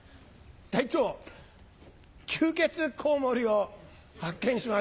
隊長吸血コウモリを発見しました。